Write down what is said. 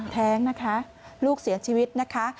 แท้งนะคะลูกเสียชีวิตนะคะ